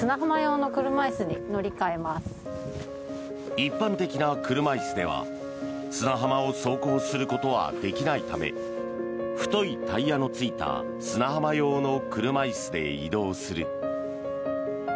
一般的な車椅子では砂浜を走行することはできないため太いタイヤのついた砂浜用の車椅子で移動する。